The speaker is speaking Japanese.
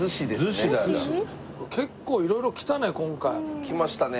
結構色々来たね今回。来ましたね